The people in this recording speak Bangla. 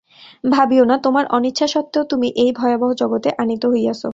ভাবিও না, তোমার অনিচ্ছাসত্ত্বেও তুমি এই ভয়াবহ জগতে আনীত হইয়াছ।